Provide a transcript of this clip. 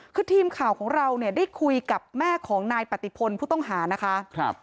คือทีมข่าวของเราเนี่ยได้คุยกับแม่ของนายปฏิพลผู้ต้องหานะคะ